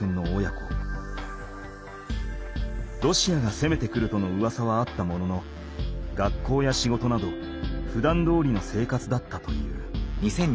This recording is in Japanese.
ロシアが攻めてくるとのうわさはあったものの学校や仕事などふだんどおりの生活だったという。